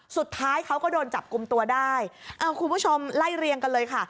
สุดท้ายเขาก็โดนจับกลุ่มตัวได้เอ้าคุณผู้ชมไล่เรียงกันเลยค่ะ